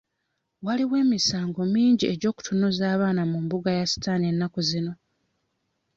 Waliwo emisango mingi egy'okutunuza abaana mu mbuga ya sitaani ennaku zino.